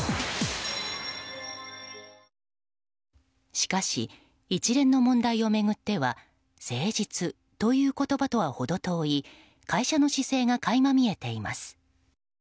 しかし、一連の問題を巡っては誠実という言葉とは程遠い会社の姿勢が垣間見えています。